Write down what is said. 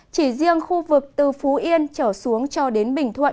chỉ riêng khu vực từ phú yên trở xuống cho đến bình thuận